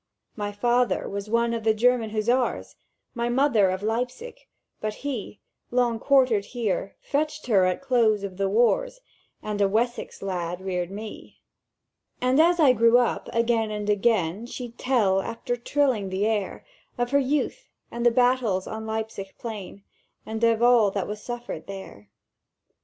"My father was one of the German Hussars, My mother of Leipzig; but he, Long quartered here, fetched her at close of the wars, And a Wessex lad reared me. "And as I grew up, again and again She'd tell, after trilling that air, Of her youth, and the battles on Leipzig plain And of all that was suffered there!